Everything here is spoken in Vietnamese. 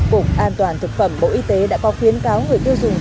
cục an toàn thực phẩm bộ y tế đã có khuyến cáo người tiêu dùng